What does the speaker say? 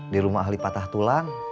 di rumah ahli patah tulang